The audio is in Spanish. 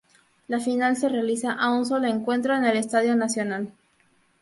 La final se realiza a un solo encuentro en el Estadio Nacional.